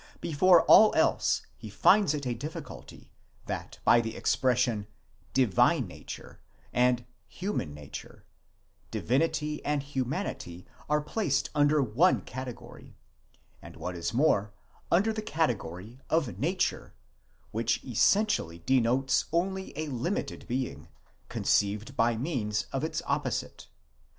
* Before all else he finds ita dif ficulty, that by the expression, divine nature and human nature, divinity and humanity are placed under one category, and what is more, under the category of nature, which essentially denotes only a limited being, conceived by means of its opposite.